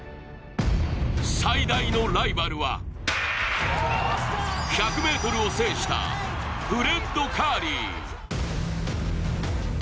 最大のライバルは１００ｍを制したフレッド・カーリー。